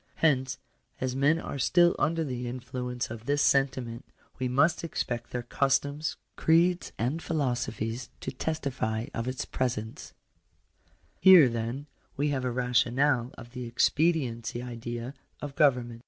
Hence, as men are still under the in fluence of this sentiment, we must expect their customs, creeds, and philosophies to testify of its presence. Digitized by VjOOQIC 200 POLITICAL RIGHTS. Here, then, we have a rationale of the expediency idea of government.